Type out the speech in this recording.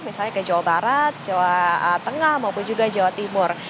misalnya ke jawa barat jawa tengah maupun juga jawa timur